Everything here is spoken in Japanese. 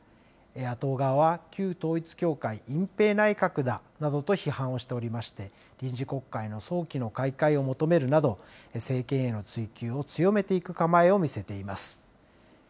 野党側は旧統一教会隠蔽内閣だなどと批判をしておりまして、臨時国会の早期の開会を求めるなど、政権への追及を強めていく構えを見せています。